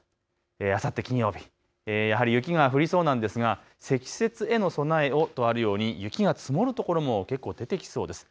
あさって金曜日、やはり雪が降りそうなんですが積雪への備えをとあるように雪が積もる所も結構出てきそうです。